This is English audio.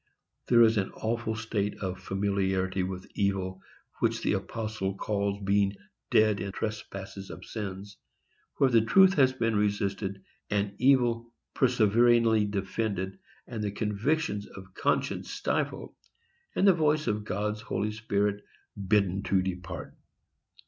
There is an awful state of familiarity with evil which the apostle calls being "dead in trespasses and sins," where truth has been resisted, and evil perseveringly defended, and the convictions of conscience stifled, and the voice of God's Holy Spirit bidden to depart.